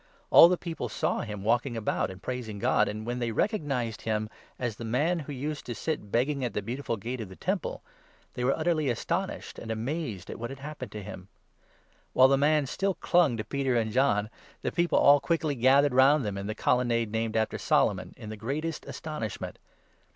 All the people saw him walking about and praising 9 God ; and, when they recognized him as the man who used to 10 sit begging at the Beautiful Gate of the Temple, they were utterly astonished and amazed at what had happened to him. While the man still clung to Peter and John, the people all u quickly gathered round them in the Colonnade named after Solomon, in the greatest astonishment.